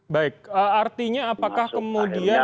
baik artinya apakah kemudian